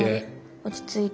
落ち着いて。